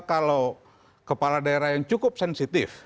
kalau kepala daerah yang cukup sensitif